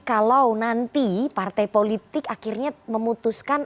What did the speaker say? kalau nanti partai politik akhirnya memutuskan